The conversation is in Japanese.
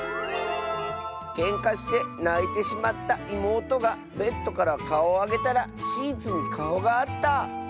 「けんかしてないてしまったいもうとがベッドからかおをあげたらシーツにかおがあった」。